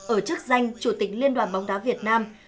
ở chức danh chủ tịch liên đoàn bóng đá việt nam